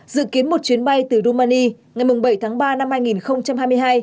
dự kiến một chuyến bay từ romani ngày bảy tháng ba năm hai nghìn hai mươi hai